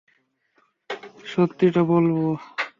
সত্যি টা বলবো?